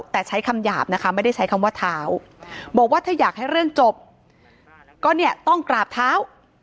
แต่ใช้คำหยาบนะคะไม่ได้ใช้คำว่าเท้าบอกว่าถ้าอยากให้เรื่องจบก็เนี่ยต้องกราบเท้า